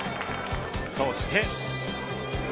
そして。